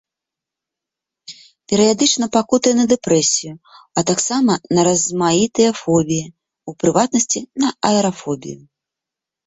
Перыядычна пакутуе на дэпрэсію, а таксама на размаітыя фобіі, у прыватнасці на аэрафобію.